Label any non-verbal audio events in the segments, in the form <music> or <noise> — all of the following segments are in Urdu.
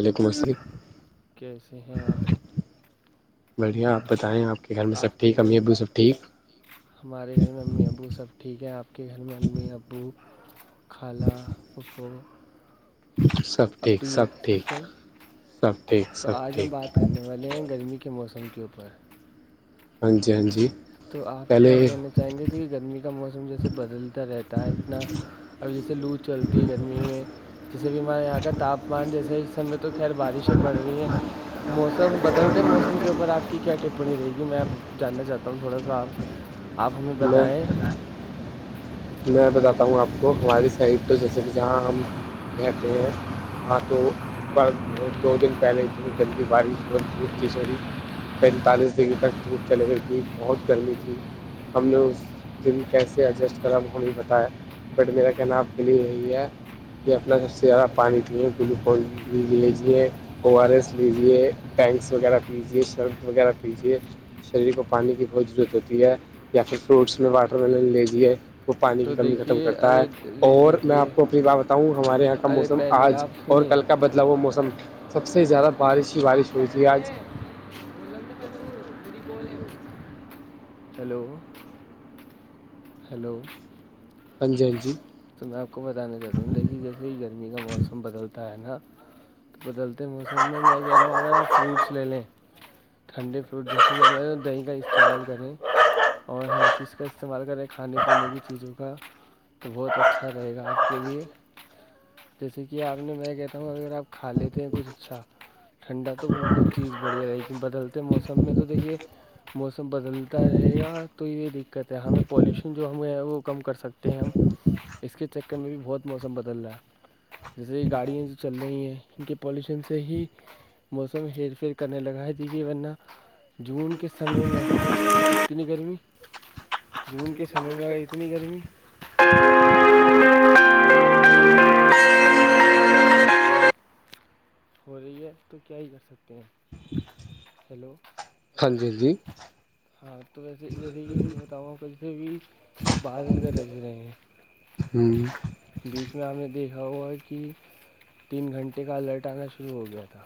وعلیکمشریف کیسے ہیں آپ بڑھیا آپ بتائیں آپ کو آپ کے گھر میں <unintelligible> ہمارے گھر میں امی ابو سب ٹھیک ہیں آپ کے گھر میں امی ابو کال پکو سب ٹھیک سب ٹھیک سب ٹھیک تو سب آج ہم ٹھیک بات کرنے والے ہیں گرمی کے موسم کے اوپر ہاں جی ہاں جی <unintelligible> تو آپ پہلے کیا کہنا چاہیں گے ج گرمی کا موسم جیسے بدلتا رہتا ہے اتنا ابھی جیسے لوز چلتی ہے گرمی میں جیسے بھی ہمارے یہاں کا تاپمان جیسے اس سم میں تو خیر بارشیں پڑ رہی ہیں موسم بدلتے موسم کے اوپر آپ کی کیا ٹپنیی رہے گی میں آپ جاننا چاہتا ہوں تم تھوڑا سا آ آپ ہمیں میں بتائیں میں بتاتا ہوں آپ کو ہماری سائڈ تو جیسے کہ جہاں ہم کہتے ہیں ہاں تو پر دو دن پہلے اتنی گندی بارش بہت دھوپ تھی سو رہی پینتالیس ڈگری تک دھوپ چلی گئی تھی بہت گرمی تھی ہم نے اس دن کیسے ایڈجسٹ طر ہم بھی بتایا بٹ میرا کہنا آپ کلی رہی ہے کہ اپنا سب سے زیادہ پانی پیے گلوکوز لیےجیے او آر ایس لیجے ٹینکس وغیرہ پیجے شرپ وغیرہ پیجیے شریر کو پانی کی بہت ضرورت ہوتی ہے یا پھر فروٹس میں واٹر ملن لیجیے وہ پانی تو کی کمی ختم دیکھیے کرتا ہے ارے ارے اور میں دیکھیے آپ کو اپنی بات بتاؤں ہمارے یہاں کا ارے موسم پہلے آج آپ اور سنیے کل کا بدلا ہوا موسم سب سے زیادہ بارش ہی بارش ہوئی تھی آج ہیلو ہیلو ہاں جی ہاں جی تو میں آپ کو بتانا چاہتا ہوں دیکھیے جیسے ہی گرمی کا موسم بدلتا ہے نا بدلتے موسم میں کہہ رہا ہوں اگر آپ فروٹس لے لیں ٹھنڈے فروٹ جیسے کہ میں دہی کا استعمال کریں اور ہر چیز کا استعمال کریں کھانے پینے کی چیزوں کا تو بہت اچھا اچھا رہے گا آپ کے لیے جیسے کہ آپ نے میں کہتا ہوں اگر آپ کھا لیتے ہیں کچھ اچھا ٹھنڈا تو بہت چیز بڑھیا رہے کین بدلتے موسم میں تو دیکھیے موسم بدلتا رہے گیا تو یہ دقت ہے ہمیں پالوشن جو ہم وہ کم کر سکتے ہیں ہم اس کے چکر میں بھی بہت موسم بدل رہا ہے جیسے گاڑیاں چل رہی ہیں کیکہ پالوشن سے ہی موسم ہیر فیر کرنے لگاائے دیی ورہ جون کے سالوں میں کتنی گرمی جون کے سمے میں اتنی گرمی ہو رہی ہے تو کیا ہی کر سکتے ہیں ہیلو ہاں جی ہاں جی ہاں تو ویسے جیسے کہ بتاؤاوں ک سے بھی بادل کر ر رہے ہیں ہوں بیچ میں آپ نے دیکھا ہوا ہے کہ تین گھنٹے کا الرٹ آنا شروع ہو گیا تھا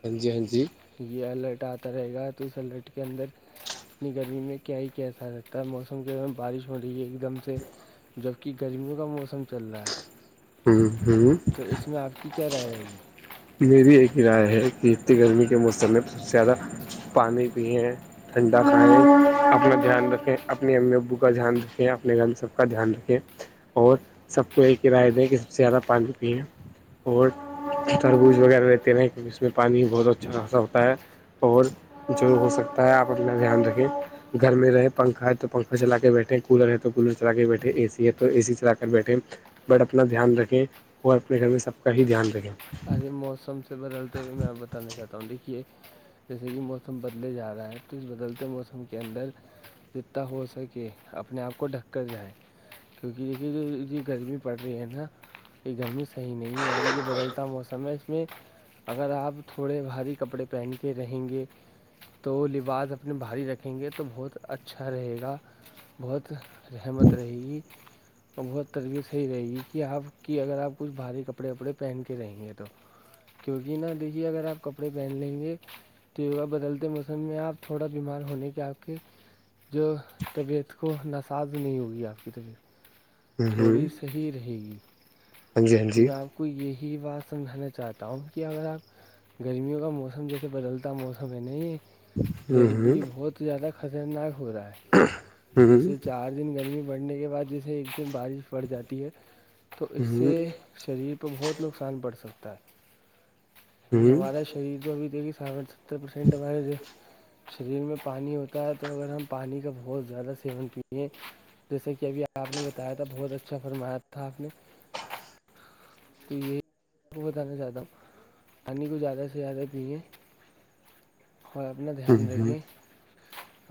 ہاں جی ہاں جی یہ الرٹ آتا رہے گا تو اس الرٹ کے اندر اتنی گرمی میں کیا ہی کیاسا رہگتا ہے موسم کے د بارش ہو رہی ہے ایک دم سے جبکہ گرمیوں کا موسم چل رہا ہے ہوں ہوں تو اس میں آپ کی کیا رائے ہےی میری ایک رائے ہے کہ اتنی گرمی کے موسم میں سب سے زیادہ پانی پئیں ٹھنڈا کھیں اپنا دھیان رکھے اپنے امی ابو کا دھیان رکھیں اپنے گ سب کا دھیان رکھیں اور سب کو یہ کرایہ دیں کہ سب سے زیادہ پانی پیئیں اور تربوز وغیرہ لیتے ہیں اس میں پانی بہت اچھا خاصا ہوتا ہے اور جور ہو سکتا ہے آپ اپنا دھیان رکھیں گھر میں رہے پنکھا ہے تو پنکھا چلا کے بیٹھے کولر ہے تو کولر چلا کے بیٹھے اے سی ہے تو اے سی چلا کے بیٹھے بٹ اپنا دھیان رکھیں اور اپنے گھر میں سب کا ہی دھیان رکھیں ارے موسم سے بدلتے ہوئے میں بتانا چاہتا ہوں دیکھیے جیسے کہ موسم بدلے جا رہا ہے تو اس بدلتے موسم کے اندر اتنا ہو سکے اپنے آپ کو ڈھک کر جائے کیونکہ دیکھیے گرمی پڑ رہی ہے نا یہ گرمی صحیح نہیں ہے اور یہ بدلتا موسم سیں اس میں اگر آپ تھوڑے بھاری کپڑے پہنتے رہیں گے تو لباس اپنے بھاری رکھیں گے تو بہت اچھا رہے گا بہت رحمت رہے گی اور بہت ترویت صحی رہے گی کہ آپ کی اگر آپ کچھ بھاری کپڑے وپڑے پہن کے رہیں ہیں تو تو کیونکہ نا دیکھیے اگر آپ کپڑے پہن لیں گے تیوا بدلتے موسم میں آپ تھوڑا بیمار ہونے کے آپ کے جو طبیعت کو نساز نہیں ہوگی آپ کی طبیعت ہ ہ تھوڑی صحیح رہے گی ہاں جی ہاں تو جی میں آپ کو یہی بات سمجھانا چاہتا ہوں کہ اگر آپ گرمیوں کا موسم جیسے بدلتا موسم ہے نہیں ہ ڈھر بھی یہ بہت زیادہ خطرناک ہو رہا ہے ہ جیسے چارج دن گرمی بڑھنے کے بعد جیسے ایک دن بارش پڑ جاتی ہے تو اس سے شریر پ بہت نقصان پڑ سکتا ہے ہ کیہ ہ ہمارا شریر تو بھی کہ سون ستر پرسینٹ مارےج شریر میں پانی ہوتا ہے تو اگر ہم پانی کا بہت زیادہ سیون پیئیں جیسے کہ ابھی آپ نے بتایا تھا بہت اچھا فرمایا تھا آپ نے تو یہی آپ کو بتانا چاہتا ہوں پانی کو زیادہ سے زیادہ پیے اور اپنا دھیان ہ رکھیں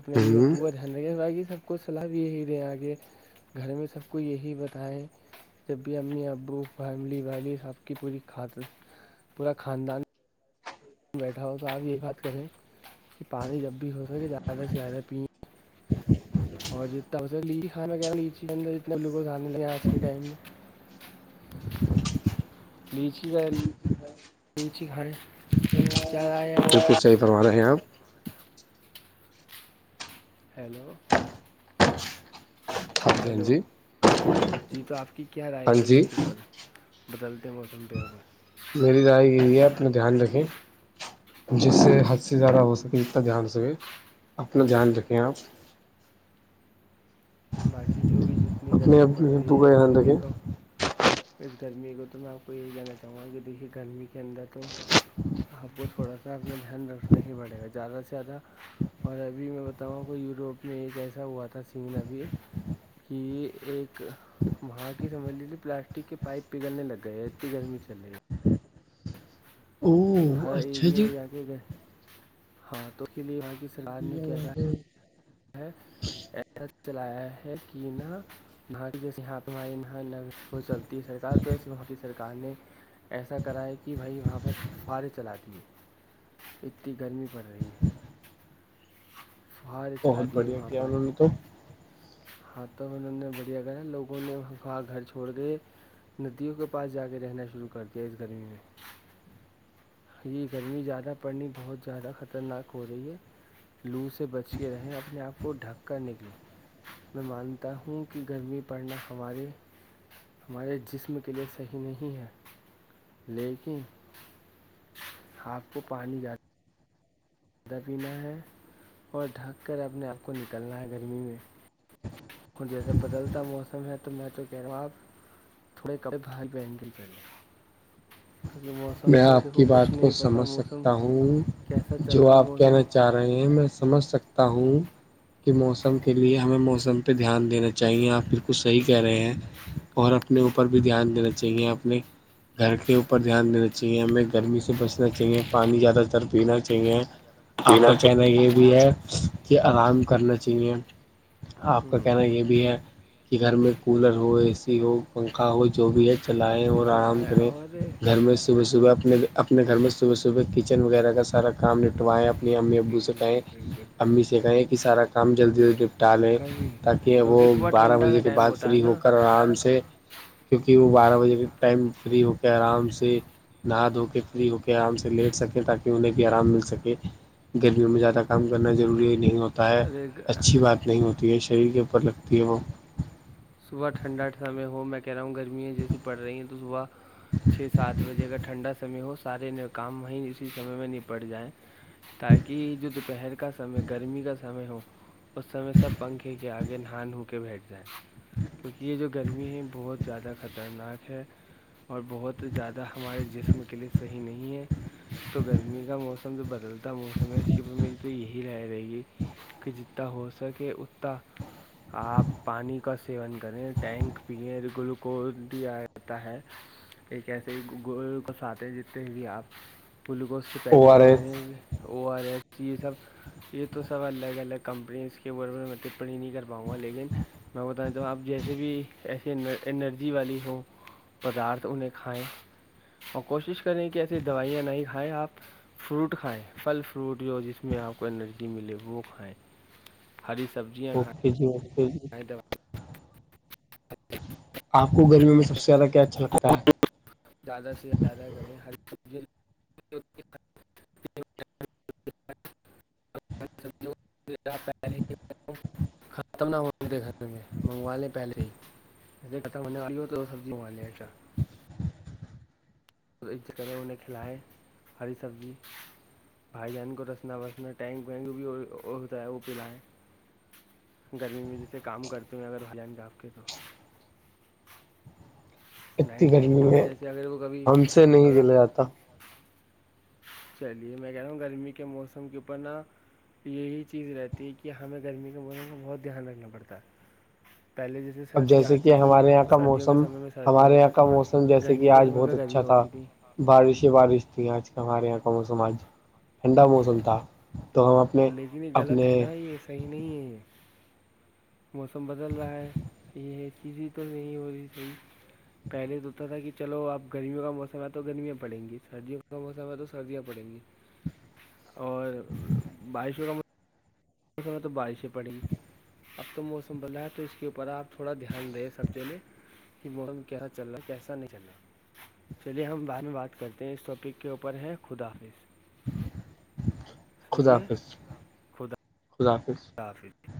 اپنے امی ابو کا د دھن بھائیی سب کو صلاح بھی یہی دیں آگے گھر میں سب کو یہی بتائیں جب بھی اپنے ابو فیملی ویلی سب کی پورا خاندان بیٹھا ہو تو آپ یہ بات کریں کہ پانی جب بھی ہو سکے زیادہ سے زیادہ پینے ہ اور جتنا لیی خانا وغچی ب ڈبو اوز آنے لگے آج کے ٹائم میں بیچیز ہاں تچ گھر ج گائے ہمارے ہیں آپ ہیلو ہاں ہیلو جی جی تو آپ کی کیا رائے ہاں جی ہاں ہے جی اس کے اوپر بدلتے موسم پ ا میں میری رذی گ ہے اپنا دھیان رکھیں جس سے حد سے زیادہ ہو سکے دھیان سے اپنا دھیان رکھیں آپ باقی جو بھی جتنی اپنے گرمی پڑ اپنے رہی ابو ہے کا اس دھیان گرمی رکھیں کو پ گرمی کو تو میں آپ کو یہی کہنا چاہوں گا کہ دیکھیے گرمی کے اندر تو آپ کو تھوڑا سا اپنا دھیان رکھنا ہی پڑے گا زیادہ سے زیادہ اور ابھی میں بتاؤں کوئی یوروپ میں ایک ایسا ہوا تھا سین ابھی ایک کہ ایک وہاں کی سمجھ لیجیے پلاسٹک کے پائپ پگلنے لگ گئے اتنی گرمی چل رہی ہے او ہر اچھا ایریا جی میں جا کے ا گھر ہاں تو اس کے لیے وہاں کسی ج ایسا چلایا ہے کہ نہ وہاں کی جیسے ہاں پ ہماری یہاں ن ہو چلتی ہے سرک تو ایسے وہاںتی سرار نے ایسا کرا ہے کہ بھائی وہاں بت فار چلاتی ہے اتنی گرمی پڑ رہی ہے باری بہت بڑھیا کیا انوں تو ہاں تو انہوں نے بڑھیا کرا لوگوں نے گھر چھوڑ دئے ندیوں کے پاس جا کے رہنا شروع کر دیا اس گرمی میں جی گرمی زیادہ پڑنی بہت زیادہ خطرناک ہو رہی ہے لو سے بچ کے رہیں اپنے آپ کو ڈھک کر نکلیں میں مانتا ہوں کہ گرمی پڑنا ہمارے ہمارے جسم کے لیے صحیح نہیں ہے لیکن ہاتھ کو پانی جاتا کھا پینا ہے اور ڈھک کر اپنے آپ کو نکلنا ہے گرمی میں جیسا بدلتا موسم ہے تو میں تو کہہ رہا ہوں آپ تھوڑے کپڑے کیونکہ میں موسم کا آپ کی دیکھو بات کچھ کو نہیں پتہ سمجھ موسم سکتا ہوں کیسا چل جو رہا ہے آپ موسم کہنا چاہ رہے رہے ہیں میں سمجھ سکتا ہوں کہ موسم کے لیے ہمیں موسم پہ دھیان دینا چاہیے آپ پھر کچھ صحیح کہہ رہے ہیں اور اپنے اوپر بھی دھیان دینا چاہیے اپنے گھر کے اوپر دھیان دینا چاہیے چاہیے ہمیں گرمی سے بچنا چاہیے پانی زیادہ تر پینا چاہیے آپ کا پینا چاہیے کہنا یہ بھی ہے کہ آرام کرنا چاہیے آپ کا ہوں کہنا یہ بھی ہے کہ گھر میں کولر ہو اے سی ہو پنکھا ہو جو بھی ہے اس چلائیں سے اور چلا آرام ہے کریں اور گھر میں صبح صبح اپنے اپنے گھر میں صبح صبح کچن وغیرہ کا سارا کام نٹوائیں اپ امی ابو بالکل سکائیں بالکل امی سے کہیں کہ سارا کام جلدی جلدی نپٹا لیں گرمی تاکہ وہ کیونکہ صبح بارہ ٹھنڈا بجے کا کے ٹائم بعد ہوتا ہے فری ہو نا کر آرام سے کیونکہ وہ بارہ بجے ٹائم فری ہو کے آرام سے نہا دھو کے فری ہو کے آرام سے لیٹ سکیں تاکہ انہیں بھی آرام مل سکے گلیوں میں زیادہ کام کرنا ضروری ہے نہیں ہوتا ہوتا ہے ارے گ- اچھی بات نہیں ہوتی ہے شریر کے اوپر لگتی ہے وہ صبح ٹھنڈا سمے ہو میک رہا ہوں گرمیاں جیسی پڑ رہی ہیں تو صبح چھ سات بجے اگر ٹھنڈا سے ہو سارے کام وہیں اسی سمے میں نہیں پڑ جائیں تاکہ جو دوپہر کا سمے گرمی کا سمے ہو اس سمے سب پنکھے کے آگے نہا ہوو کے بیٹھ جائے ہ کیونکہ یہ جو گرمی ہے بہت زیادہ خطرناک ہے اور بہت زیادہ ہمارے جسم کے لیے صحیح نہیں ہے تو گرمی کا موسم جو بدلتا موسم ہے اس کے اوپر میری تو یہی رائے رہے گی کہ جتنا ہو سکے اتنا آپ پانی کا سیون کریں ٹینک پیئیں گلوکوز بھی آ جاتا ہے ایک ایسے گ کوساتتے ہیں جتنے بھی آپ گلوکوز کے او پیکٹ آر ایس ویں وہ آ رہیا ای چی یہ سب یہ تو سب الگ الگ کمپنیز کے ب میں ٹپنیی نہیں کر پاؤں گا لیکن ب تو آپ جیسے بھی ایے انرجی والی ہو پدارتھ انہیں کھائیں اور کوشش کریں کہ ایسی دوائیاں نہیں کھائیں آپ فروٹ کھائیں پھل فروٹ جویا جس میں آپ کو انرجی ملے وہ کھائیں ہری سبزیا کان ک آپ کو گرمی میں سب سے زیادہ کیا اچھا لگتا ہے دادا سے اادہ کریں سبزیوں <inaudible> ختم نہ ہو گھر منگوا لے پہلے ہیے ختم ہونےئی سبزی منگا لے ایچھا خ عزت کریں انہیں کھلائے ہری سبزی بھائی جان کو رسنا وسنا ٹینک وینک بھی ہوتا ہے وہ پلائیں گرمی میں جسے کام کرتے ہیں اگر ہلان ڈاپ کے تو اتنی نائٹ گرمی شفٹ میں جیسے اگر وہ کبھی ہم سے نہیں اگر چلا جاتا چلیے میں کہہ رہا ہوں گرمی کے موسم کے اوپر نا یہی چیز رہتی ہے کہ ہمیں گرمی کے موسم پ بہت دھیان رکھنا پڑتا ہے پہل جس جسے اب سردیاں جیسے کہ آتی تھیں ہمارے یہاں تو کا سردیوں کے موسم سمے میں سردیاں ہمارے یہاں ہوتی کا تھیں موسم گرمیوں کے سمے پ گرمی ہوتی تھیں بارشیں بارش تھی آج کا ہمارے یہاں کا موسم آج ٹھنڈا موسم تھا تو ہم اپنے اپنے کہ نہیں موسم بدل رہا ہے یہ چیزیں تو نہیں ہو رہی تھی پہلے تو ہوتا تھا کہ چلو آپ گرمیوں کا موسم ہے تو گرمیاں پڑیں گی سردیوں کا موسم ہے تو سردیاں پڑیں گی <unintelligible> اور بارشوں کا تو بارشیں پڑیں اب تو موسم بدلا ہے تو اس کے اوپر آپ تھوڑا دھیان دیں سبزی لے کہ موسم کیسا چل رہا ہے کیسا نہیں چل رہا چلیئے ہم بعد میں بات کرتے ہیں اس ٹاپک کے اوپر ہے خدافظ خدا ہے حافظ خدا حافظ افظ